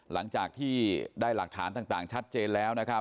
หลังจากที่ได้หลักฐานต่างชัดเจนแล้วนะครับ